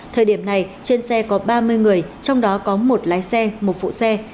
thời điểm này trên xe có ba mươi người trong đó có một lái xe một phụ xe